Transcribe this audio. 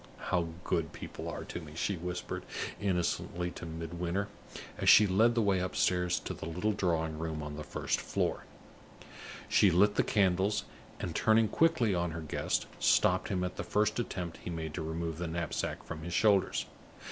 "How good people are to me!" she whispered, innocently, to Midwinter, as she led the way upstairs to the little drawing room on the first floor. She lit the candles, and, turning quickly on her guest, stopped him at the first attempt he made to remove the knapsack from his shoulders.